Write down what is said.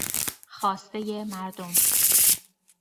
خواستهی مردم